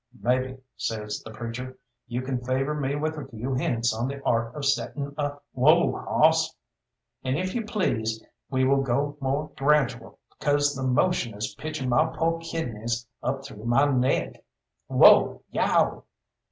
"Mebbe," says the preacher, "you can favour me with a few hints on the art of settin' a whoa! hawss! And if you please, we will go more gradual 'cause the motion is pitching my po' kidneys up through my neck. Whoa! Yow!"